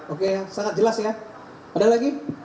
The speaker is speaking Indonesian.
oke sangat jelas ya ada lagi